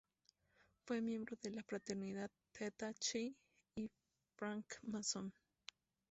Fue miembro de la Fraternidad Theta Chi y Francmasón.